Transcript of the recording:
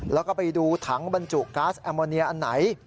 แล้วก็ไปดูถังบรรจุก๊าซแอมโมเนียอันไหน